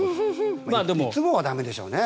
いつもは駄目でしょうね。